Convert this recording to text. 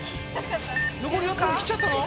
残り４分切っちゃったの？